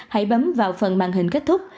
hãy bấm vào phần màn hình kết thúc